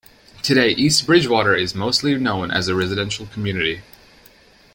Today, East Bridgewater is mostly known as a residential community.